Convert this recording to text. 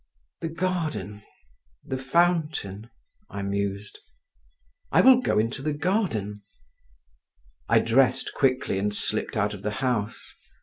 "The garden … the fountain," I mused…. "I will go into the garden." I dressed quickly and slipped out of the house.